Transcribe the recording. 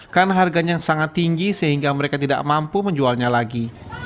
karena harganya sangat tinggi sehingga mereka tidak mampu menjualnya lagi